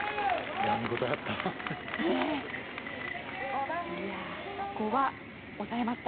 見応えあった。